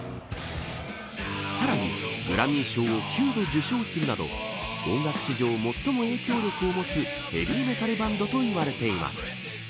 さらに、グラミー賞を９度受賞するなど音楽史上最も影響力を持つヘヴィメタルバンドと言われています。